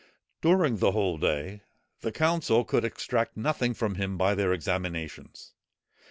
During the whole day, the council could extract nothing from him by their examinations.